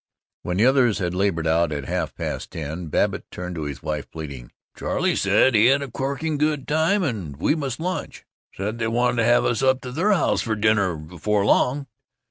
When the others had labored out, at half past ten, Babbitt turned to his wife, pleading, "Charley said he had a corking time and we must lunch said they wanted to have us up to the house for dinner before long."